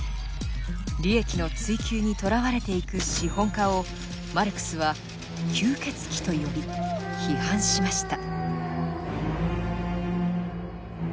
利益の追求にとらわれていく資本家をマルクスは「吸血鬼」と呼び批判しました。